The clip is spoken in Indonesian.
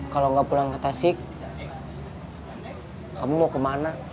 kalau nggak pulang ke tasik kamu mau kemana